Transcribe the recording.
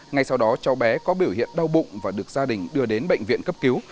ngay sau đó cháu bé có biểu hiện đau bụng và được gia đình đưa đến bệnh viện cấp cứu